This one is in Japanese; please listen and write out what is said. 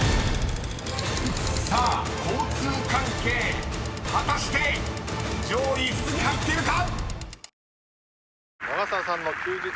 ［さあ交通関係果たして上位５つに入っているか⁉］